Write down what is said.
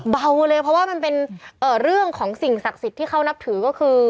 เบาเลยเพราะว่ามันเป็นเรื่องของสิ่งศักดิ์สิทธิ์ที่เขานับถือก็คือ